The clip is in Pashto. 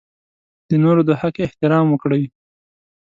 د نورو د حق احترام وکړئ.